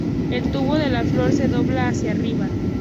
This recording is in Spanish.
El tubo de la flor se dobla hacia arriba.